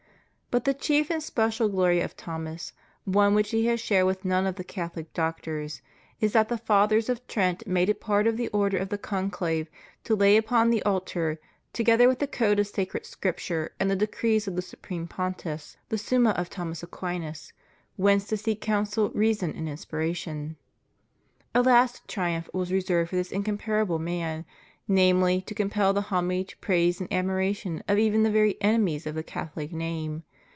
But the chief and special glory of Thomas, one which he has shared with none of the Catholic doctors, is that the Fathers of Trent made it part of the order of the conclave to lay upon the altar, together with the code of sacred Scripture and the decrees of the Supreme Pontiffs, the Summa of Thomas Aquinas, whence to seek counsel, reason, and inspiration. A last triumph was reserved for this incomparable man — namely, to compel the homage, praise, and ad miration of even the very enemies of the Cathohc name.